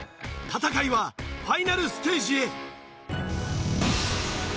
戦いはファイナルステージへ。